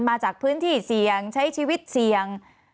มาจากพื้นที่เสี่ยงใช้ชีวิตเสี่ยง